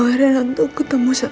gak akan pernah lihat